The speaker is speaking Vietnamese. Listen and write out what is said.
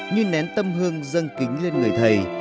như nén tâm hương dâng kính lên người thầy